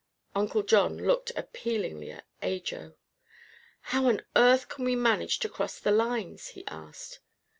Uncle John looked appealingly at Ajo. "How on earth can we manage to cross the lines?" he asked.